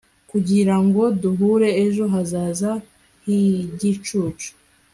kugira ngo duhure ejo hazaza higicucu